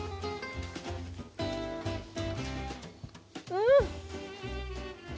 うん！